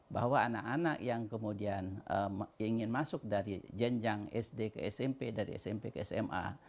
bahwa anak anak yang kemudian ingin masuk dari jenjang sd ke smp dari smp ke sma